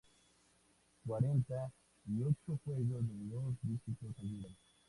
Cuarenta y ocho juegos de dos dígitos ayudan.